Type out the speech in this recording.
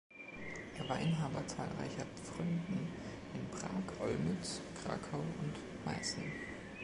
Er war Inhaber zahlreicher Pfründen in Prag, Olmütz, Krakau und Meißen.